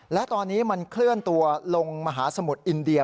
และตอนนี้มันเคลื่อนตัวลงมหาสมุทรอินเดีย